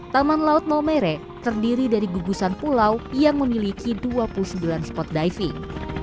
taman laut maumere terdiri dari gugusan pulau yang memiliki dua puluh sembilan spot diving